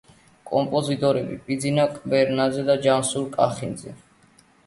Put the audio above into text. კომპოზიტორები: ბიძინა კვერნაძე და ჯანსუღ კახიძე.